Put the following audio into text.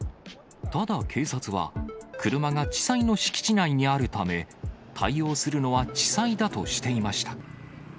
ただ、警察は車が地裁の敷地内にあるため、対応するのは地裁だとしていました。